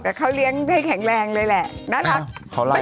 แต่เขาเลี้ยงได้แข็งแรงเลยแหละน่ารัก